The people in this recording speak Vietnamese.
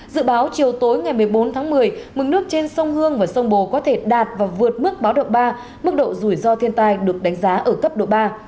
dự báo chiều tối ngày một mươi bốn tháng một mươi mực nước trên sông hương và sông bồ có thể đạt và vượt mức báo động ba mức độ rủi ro thiên tai được đánh giá ở cấp độ ba